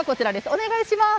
お願いします！